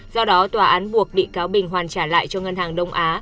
do đó tòa án buộc bị cáo bình hoàn trả lại cho ngân hàng đông á